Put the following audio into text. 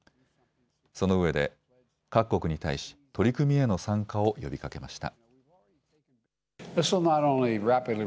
そのうえで各国に対し取り組みへの参加を呼びかけました。